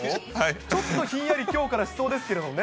ちょっとひんやり、きょうからしそうですけれどもね。